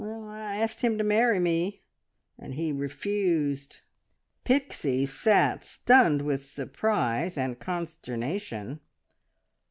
"I asked him to marry me, and he refused." Pixie sat stunned with surprise and consternation.